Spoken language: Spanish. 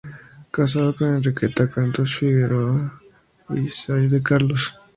Casado con Enriqueta Cantos Figuerola y Sáiz de Carlos.